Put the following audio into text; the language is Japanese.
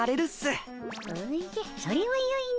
おじゃそれはよいの。